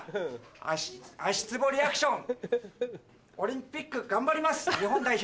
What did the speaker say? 足つぼリアクションオリンピック頑張ります日本代表。